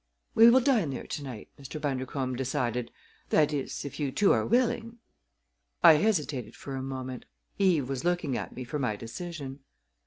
"We will dine there to night," Mr. Bundercombe decided, "that is, if you two are willing." I hesitated for a moment. Eve was looking at me for my decision.